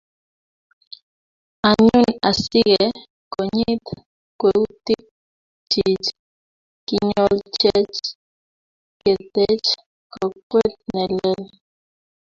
anyun, asikekonyit kweutikchich, kinyolchech keteech kokwet neleel